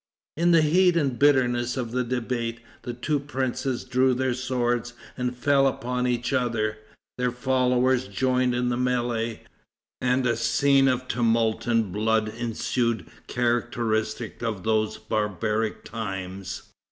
In the heat and bitterness of the debate, the two princes drew their swords and fell upon each other. Their followers joined in the melee, and a scene of tumult and blood ensued characteristic of those barbaric times.